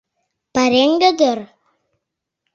— Пареҥге дыр.